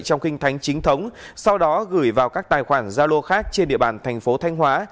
trong khinh thánh chính thống sau đó gửi vào các tài khoản gia lô khác trên địa bàn thành phố thanh hóa